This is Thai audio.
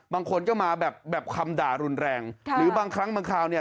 บางคนก็มาแบบแบบคำด่ารุนแรงค่ะหรือบางครั้งบางคราวเนี่ย